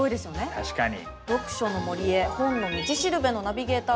確かに。